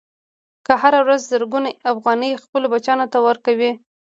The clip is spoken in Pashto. هغه هره ورځ زرګونه افغانۍ خپلو بچیانو ته ورکوي